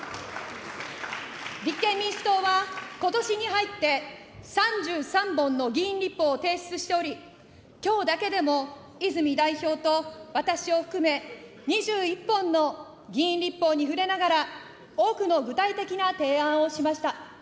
立憲民主党はことしに入って、３３本の議員立法を提出しており、きょうだけでも泉代表と私を含め２１本の議員立法に触れながら、多くの具体的な提案をしました。